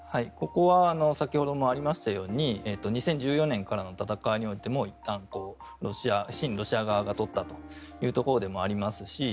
ここは先ほどもありましたように２０１４年からの戦いにおいても親ロシア側が取ったというところでもありますし